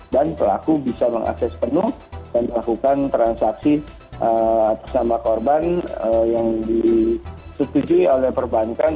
dan pelaku bisa mengakses penuh dan melakukan transaksi atas nama korban yang disetujui oleh perbankan